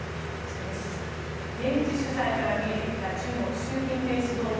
現地取材から見えてきた中国、習近平指導部